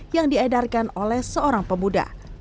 yang diedarkan oleh seorang pemuda